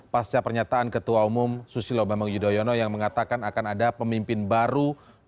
pasca pernyataan ketua umum susilo bambang yudhoyono yang mengatakan akan ada pemimpin baru dua ribu sembilan belas